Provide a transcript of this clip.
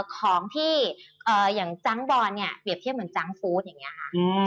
ของที่อย่างจังก์บอร์นเปรียบเทียบเหมือนจังก์ฟูต